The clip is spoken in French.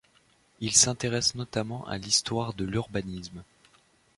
Il s'intéresse notamment à l'histoire de l'urbanisme.